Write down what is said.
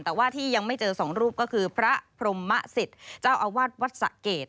แต่ว่าที่ยังไม่เจอ๒รูปก็คือพระพรมมะศิษย์เจ้าอาวาสวัสดิ์สักเกต